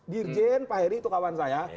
dirjen pak heri itu kawan saya